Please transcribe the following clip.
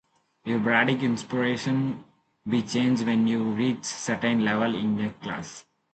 Your Bardic Inspiration die changes when you reach certain levels in this class.